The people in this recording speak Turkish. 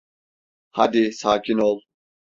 Hadi, sakin ol.